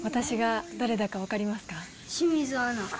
清水アナ。